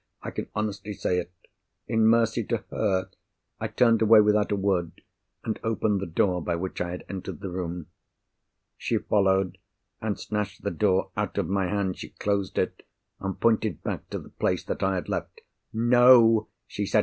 I can honestly say it—in mercy to her, I turned away without a word, and opened the door by which I had entered the room. She followed, and snatched the door out of my hand; she closed it, and pointed back to the place that I had left. "No!" she said.